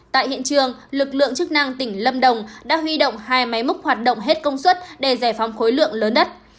tại hiện trường lực lượng chức năng tỉnh lâm đồng đã huy động hai máy múc hoạt động hết công suất để giải phóng khối lượng lớn đất